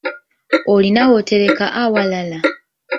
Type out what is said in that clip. Olina w'otereka awamala?